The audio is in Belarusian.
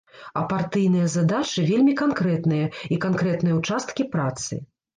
А партыйныя задачы вельмі канкрэтныя, і канкрэтныя ўчасткі працы.